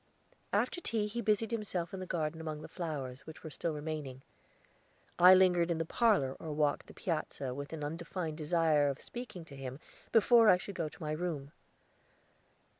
After tea he busied himself in the garden among the flowers which were still remaining. I lingered in the parlor or walked the piazza with an undefined desire of speaking to him before I should go to my room.